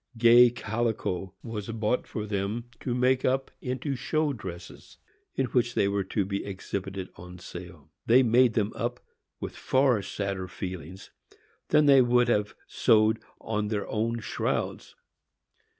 Gay calico was bought for them to make up into "show dresses," in which they were to be exhibited on sale. They made them up with far sadder feelings than they would have sewed on their own shrouds.